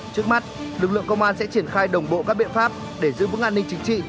trước mắt lực lượng công an sẽ triển khai đồng bộ các biện pháp để giữ vững an ninh chính trị